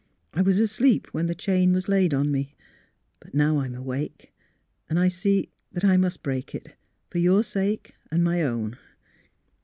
I was asleep when the chain was laid upon me; but now I am awake, and I see that I must break it — for your sake and my own."